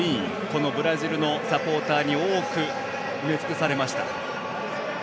このブラジルのサポーターに多く埋め尽くされました。